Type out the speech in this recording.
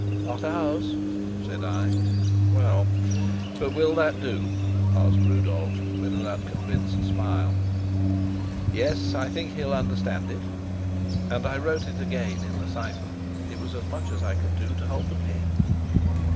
"Not ours," said I. "Well, but will that do?" asked Rudolf, with an unconvinced smile. "Yes, I think he'll understand it." And I wrote it again in the cipher; it was as much as I could do to hold the pen.